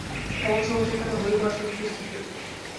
এমন সময়ে সেখানে হৈম আসিয়া উপস্থিত।